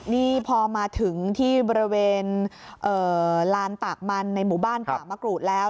นี่พอมาถึงที่บริเวณลานตากมันในหมู่บ้านป่ามะกรูดแล้ว